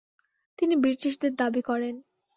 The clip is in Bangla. তিনি ব্রিটিশদের দাবি করেন।